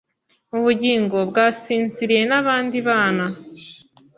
Ubugingo bwasinziriye nabandi bana